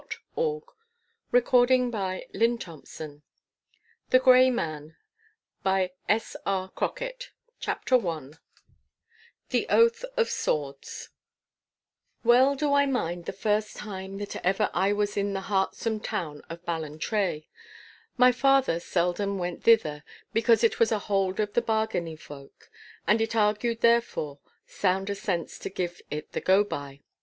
Marjorie's Good night LII. Home coming *THE GREY MAN* *CHAPTER I* *THE OATH OF SWORDS* Well do I mind the first time that ever I was in the heartsome town of Ballantrae. My father seldom went thither, because it was a hold of the Bargany folk, and it argued therefore sounder sense to give it the go by.